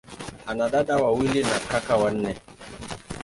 Ana dada wawili na kaka wanne.